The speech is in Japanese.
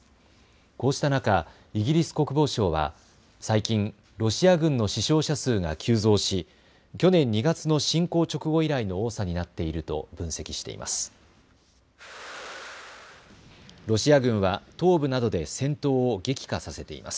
こうした中、イギリス国防省は最近、ロシア軍の死傷者数が急増し、去年２月の侵攻直後以来の多さになっていると分析しています。